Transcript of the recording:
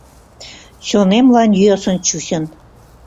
Чонемлан йӧсын чучын.